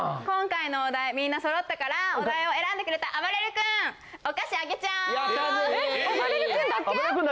今回のお題みんなそろったからお題を選んでくれたあばれる君お菓子あげちゃう！